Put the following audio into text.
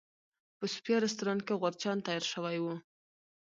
په صوفیا رسټورانټ کې غورچاڼ تیار شوی و.